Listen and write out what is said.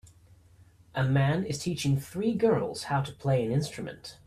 A man is teaching three girls how to play an instrument.